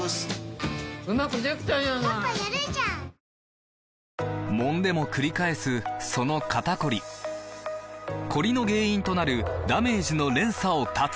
ニトリもんでもくり返すその肩こりコリの原因となるダメージの連鎖を断つ！